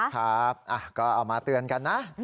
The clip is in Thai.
ครับก็เอามาเตือนกันนะ